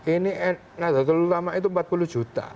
ini terutama itu empat puluh juta